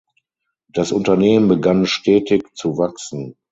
Das Unternehmen begann stetig zu wachsen.